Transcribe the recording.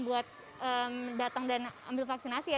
buat datang dan ambil vaksinasi ya